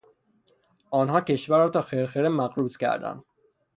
آنها کشور را تا خرخره مقروض کردند.